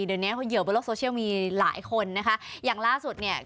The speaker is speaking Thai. เดี๋ยวแหย่าบลงโลกโซเชียลมีหลายคนอย่างล่าสุด